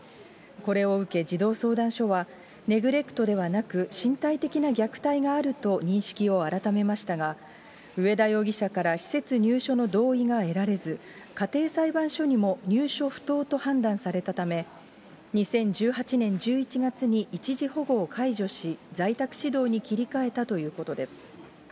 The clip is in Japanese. これを受け、児童相談所は、ネグレクトではなく、身体的な虐待があると認識を改めましたが、上田容疑者から施設入所の同意が得られず、家庭裁判所にも入所不当と判断されたため、２０１８年１１月に一時保護を解除し在宅指導に切り替えたということです。